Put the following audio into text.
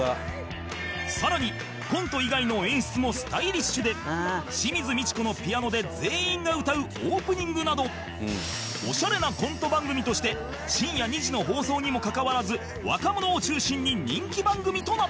さらにコント以外の演出もスタイリッシュで清水ミチコのピアノで全員が歌うオープニングなどオシャレなコント番組として深夜２時の放送にもかかわらず若者を中心に人気番組となった